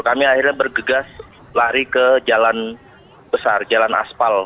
kami akhirnya bergegas lari ke jalan besar jalan aspal